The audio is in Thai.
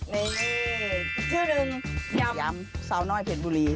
นี่ชื่อหนึ่งยำสาวน้อยเพชรบุรี